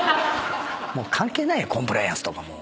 もう関係ないよコンプライアンスとか。